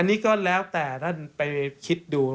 อันนี้ก็แล้วแต่ท่านไปคิดดู